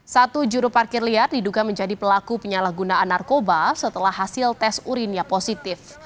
satu juru parkir liar diduga menjadi pelaku penyalahgunaan narkoba setelah hasil tes urinnya positif